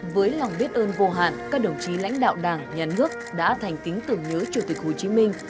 với lòng biết ơn vô hạn các đồng chí lãnh đạo đảng nhà nước đã thành kính tưởng nhớ chủ tịch hồ chí minh